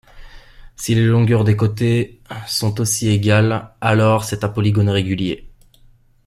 Si les longueurs des côtés sont aussi égales, alors c'est un polygone régulier.